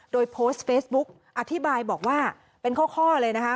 โดยโพสต์เฟซบุ๊กอธิบายบอกว่าเป็นข้อเลยนะคะ